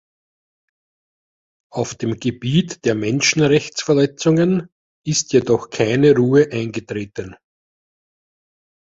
Auf dem Gebiet der Menschenrechtsverletzungen ist jedoch keine Ruhe eingetreten.